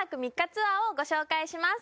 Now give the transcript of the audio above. ツアーをご紹介します